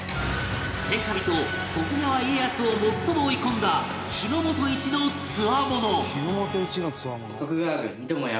天下人徳川家康を最も追い込んだ日の本一のつわもの